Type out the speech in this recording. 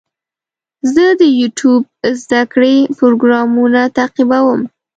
زه د یوټیوب زده کړې پروګرامونه تعقیبوم.